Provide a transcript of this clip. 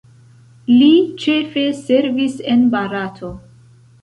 Li ĉefe servis en Barato.